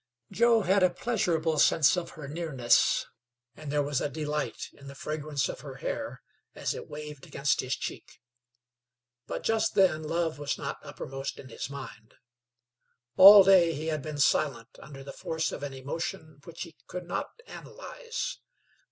Joe had a pleasurable sense of her nearness, and there was a delight in the fragrance of her hair as it waved against his cheek; but just then love was not uppermost in his mind. All day he had been silent under the force of an emotion which he could not analyze.